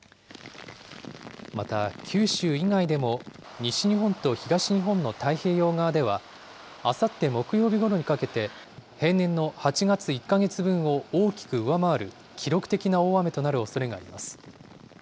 また九州以外でも、西日本と東日本の太平洋側では、あさって木曜日ごろにかけて、平年の８月１か月分を大きく上回る記録的な大雨となるおそれがあります。